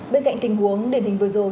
bên cạnh tình huống đền hình vừa rồi